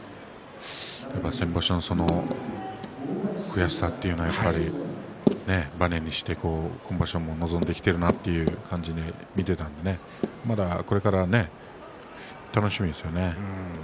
やっぱり先場所の悔しさっていうのがバネになって今場所、臨んできているなという感じで見てたんでまだこれから楽しみですね。